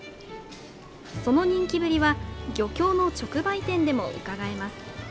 その人気ぶりは漁協の直売店でもうかがえます。